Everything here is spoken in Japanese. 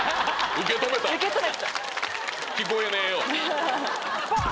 受け止めてた聞こえねえよとバン！